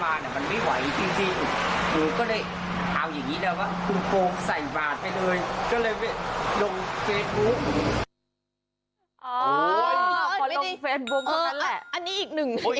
อันนี้อีกหนึ่ง